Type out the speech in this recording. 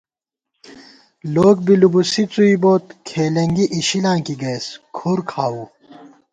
لوگ بی لُبُوسی څُوئی بوت، کھېلېنگی اِشلاں کی گئیس، کُھر کھاؤو